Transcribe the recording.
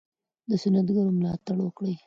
د صنعتګرو ملاتړ وکړئ.